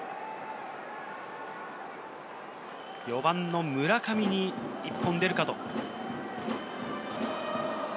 ４番の村上に１本出るかという。